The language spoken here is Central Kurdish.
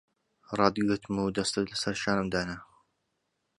ڕاتگرتم و دەستت لەسەر شانم دانا...